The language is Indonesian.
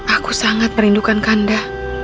aku sangat merindukan kanda